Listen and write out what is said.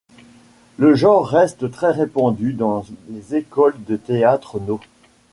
Le genre reste très répandu dans les écoles de théâtre nô.